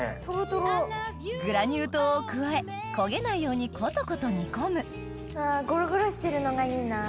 グラニュー糖を加え焦げないようにコトコト煮込むゴロゴロしてるのがいいな。